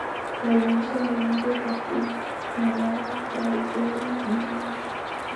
walionyesha mara nyingi ukatili na dharau kwa Waisraeli na dini yao